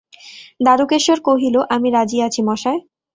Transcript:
দারুকেশ্বর কহিল, আমি রাজি আছি মশায়।